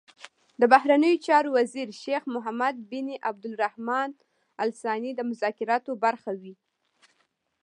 د بهرنیو چارو وزیر شیخ محمد بن عبدالرحمان ال ثاني د مذاکراتو برخه وي.